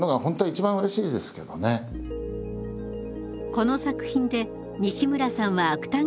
この作品で西村さんは芥川賞を受賞。